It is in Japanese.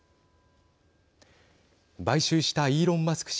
買収したイーロン・マスク